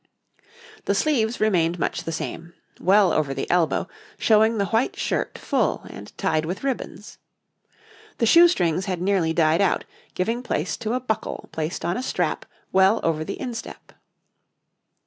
The sleeves remained much the same, well over the elbow, showing the white shirt full and tied with ribbons. The shoe strings had nearly died out, giving place to a buckle placed on a strap well over the instep.